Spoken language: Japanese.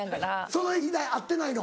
その日以来会ってないの？